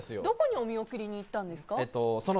どこにお見送りに行ったんですか？